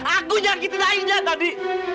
aku nyakitin aida tadi